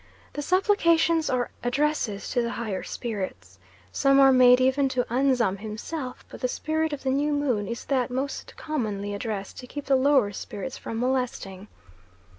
The supplications are addresses to the higher spirits. Some are made even to Anzam himself, but the spirit of the new moon is that most commonly addressed to keep the lower spirits from molesting.